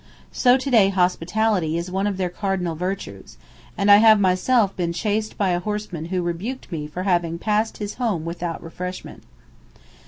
So to day hospitality is one of their cardinal virtues, and I have myself been chased by a horseman who rebuked me for having passed his home without refreshment.